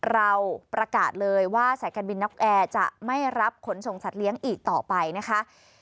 เราประกาศเลยว่าสายการบินนกแอร์จะไม่รับขนส่งสัตว์เลี้ยงอีกต่อไปนะคะ